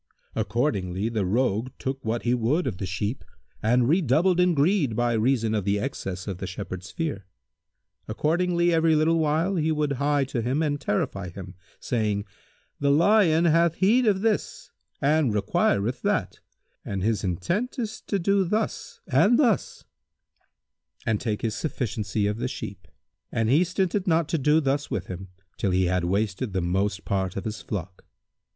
Accordingly the Rogue took what he would of the sheep and redoubled in greed by reason of the excess of the Shepherd's fear. Accordingly, every little while, he would hie to him and terrify him, saying, "The lion hath need of this and requireth that, and his intent is to do thus and thus," and take his sufficiency of the sheep; and he stinted not to do thus with him, till he had wasted the most part of his flock.